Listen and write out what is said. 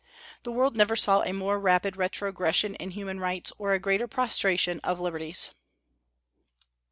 The world never saw a more rapid retrogression in human rights, or a greater prostration of liberties.